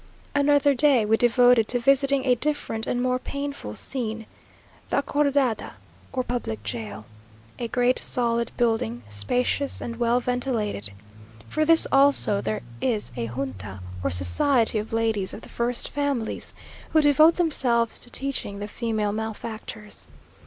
Another day we devoted to visiting a different and more painful scene the Acordada, or public jail; a great solid building, spacious, and well ventilated. For this also there is a Junta, or society of ladies of the first families, who devote themselves to teaching the female malefactors.